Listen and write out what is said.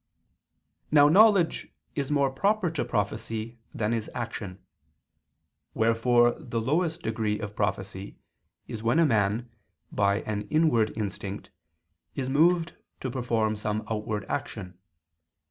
Now knowledge is more proper to prophecy than is action; wherefore the lowest degree of prophecy is when a man, by an inward instinct, is moved to perform some outward action.